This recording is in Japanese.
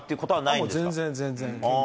もう全然、全然。